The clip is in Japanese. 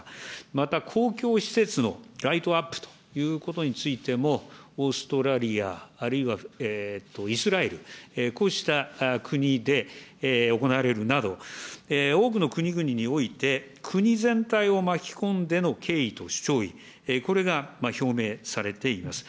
また公共施設のライトアップということについても、オーストラリア、あるいはイスラエル、こうした国で行われるなど、多くの国々において、国全体を巻き込んでの敬意と弔意、これが表明されています。